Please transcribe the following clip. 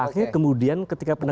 akhirnya kemudian ketika penegak